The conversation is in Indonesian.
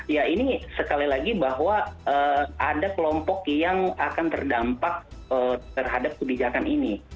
ya ini sekali lagi bahwa ada kelompok yang akan terdampak terhadap kebijakan ini